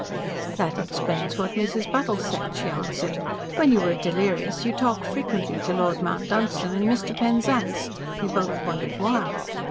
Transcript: "That explains what Mrs. Buttle said," she answered. "When you were delirious you talked frequently to Lord Mount Dunstan and Mr. Penzance. We both wondered why."